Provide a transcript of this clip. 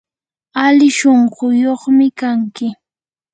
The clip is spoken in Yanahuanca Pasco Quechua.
ali shunquyuqmi kanki.